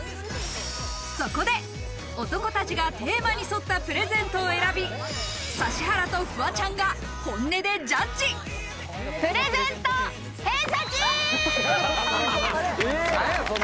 そこで、男たちがテーマに沿ったプレゼントを選び、指原とフワちゃんがプレゼント偏差値！